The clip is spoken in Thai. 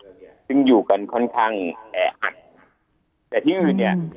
เนี้ยซึ่งอยู่กันค่อนข้างแออัดแต่ที่อื่นเนี้ย